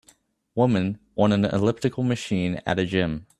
Woman on an elliptical machine at a gym